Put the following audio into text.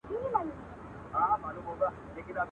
او څو ادبي او درسي کتابونه مي هم